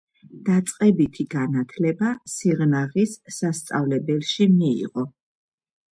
დაწყებითი განათლება სიღნაღის სასწავლებელში მიიღო.